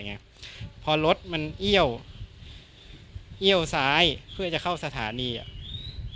ไงพอรถมันเอี้ยวเอี้ยวซ้ายเพื่อจะเข้าสถานีอ่ะ